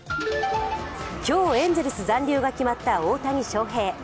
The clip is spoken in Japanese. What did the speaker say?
今日エンゼルス残留が決まった大谷翔平。